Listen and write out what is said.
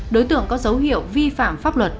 đối tượng có dấu hiệu vi phạm pháp luật